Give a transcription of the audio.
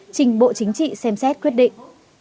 trình bộ chính trị xem xét quyết định